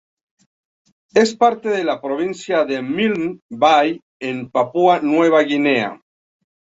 Es parte de la provincia de Milne Bay, de Papua Nueva Guinea.